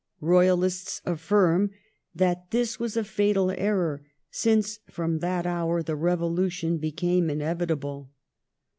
Royalists affirm that this was a fatal error, since from that hour the Revolution be came inevitable.